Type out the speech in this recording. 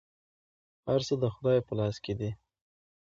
هر څه د خدای په لاس کې دي.